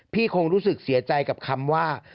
คงรู้สึกเสียใจกับคำว่า